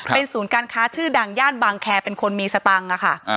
เป็นศูนย์การค้าชื่อดังย่านบางแคร์เป็นคนมีสตังค์ค่ะ